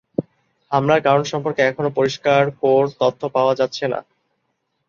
হামলার কারণ সম্পর্কে এখনও পরিষ্কার কোর ধারণা পাওয়া যাচ্ছে না।